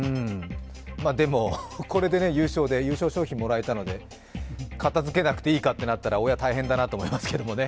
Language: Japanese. でもこれで優勝で、優勝商品もらえたので片づけなくていいかってなったら、親、大変だなって。